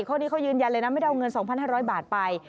ข้อนี้เขายืนยันเลยนะไม่ได้เอาเงิน๒๕๐๐บาทไป